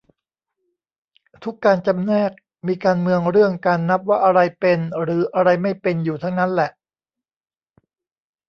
ทุกการจำแนก มีการเมืองเรื่องการนับว่าอะไรเป็นหรืออะไรไม่เป็นอยู่ทั้งนั้นแหละ